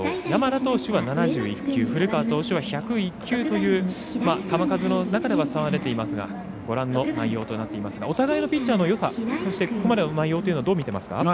山田投手は７１球古川投手は１０１球という球数の中では差が出ていますがご覧の内容となっていますがお互いのピッチャーのよさそして、ここまでの内容はどのように見ていますか？